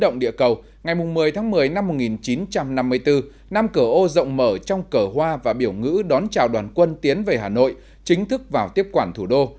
năm một nghìn chín trăm năm mươi bốn năm cờ ô rộng mở trong cờ hoa và biểu ngữ đón chào đoàn quân tiến về hà nội chính thức vào tiếp quản thủ đô